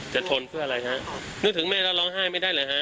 ทนเพื่ออะไรฮะนึกถึงแม่แล้วร้องไห้ไม่ได้เลยฮะ